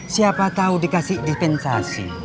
siapa tahu dikasih defensasi